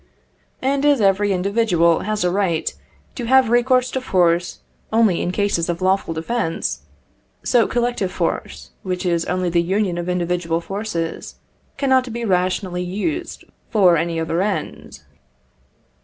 And as every individual has a right to have recourse to force only in cases of lawful defence, so collective force, which is only the union of individual forces, cannot be rationally used for any other end.